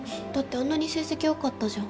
あんなに成績よかったじゃん。